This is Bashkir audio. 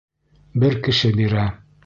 Бер кеше бирә.